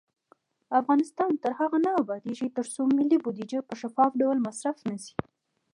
افغانستان تر هغو نه ابادیږي، ترڅو ملي بودیجه په شفاف ډول مصرف نشي.